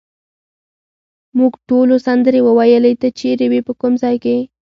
موږ ټولو سندرې وویلې، ته چیرې وې، په کوم ځای کې؟